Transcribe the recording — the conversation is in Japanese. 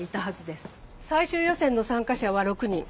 最終予選の参加者は６人。